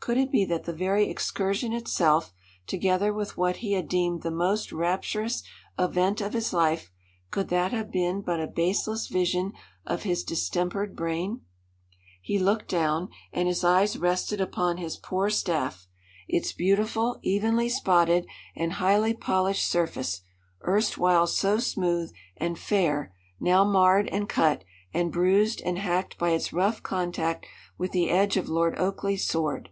Could it be that the very excursion itself, together with what he had deemed the most rapturous event of his life could that have been but a baseless vision of his distempered brain? He looked down, and his eyes rested upon his poor staff its beautiful, evenly spotted and highly polished surface, erstwhile so smooth and fair, now marred and cut, and bruised and hacked by its rough contact with the edge of Lord Oakleigh's sword.